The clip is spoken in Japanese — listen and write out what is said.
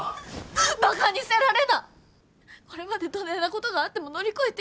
これまでどねんなことがあっても乗り越えてきたんじゃ。